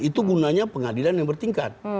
itu gunanya pengadilan yang bertingkat